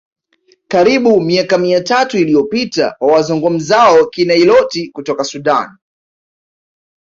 karibu miaka mia tatu iliyopita wa wazungumzao Kinailoti kutoka Sudan